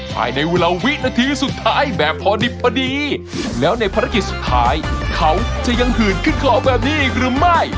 ภายในเวลาวินาทีสุดท้ายแบบพอดิบพอดีแล้วในภารกิจสุดท้ายเขาจะยังหื่นขึ้นเขาแบบนี้อีกหรือไม่